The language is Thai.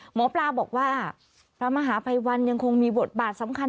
หมอปลาบอกว่าพระมหาภัยวันยังคงมีบทบาทสำคัญ